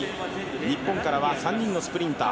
日本からは３人のスプリンター。